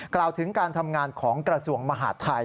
กล่าวถึงการทำงานของกระทรวงมหาดไทย